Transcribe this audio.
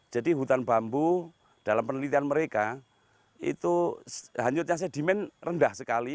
jadi hutan bambu dalam penelitian mereka itu hanyutnya sedimen rendah sekali